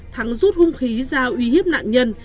thắng rút hung khí ra uy hiếp nạn nhân